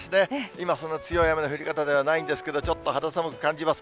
今、そんな強い雨の降り方ではないんですけど、ちょっと、肌寒く感じます。